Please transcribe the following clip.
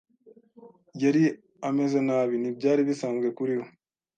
Yari ameze nabi, ntibyari bisanzwe kuri we.